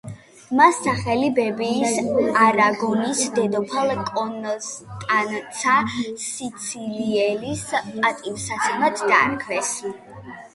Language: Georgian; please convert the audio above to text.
მას სახელი ბებიის, არაგონის დედოფალ კონსტანცა სიცილიელის პატივსაცემად დაარქვეს.